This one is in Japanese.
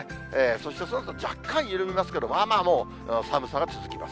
そしてそのあと若干緩みますけど、まあまあもう、寒さが続きます。